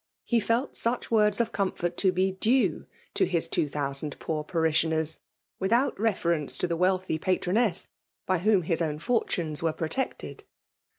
He felt such words of comfort to be due to his two thousand poor parishioners, without reference to the wealthy pataroness by whom his own fortunes were protected.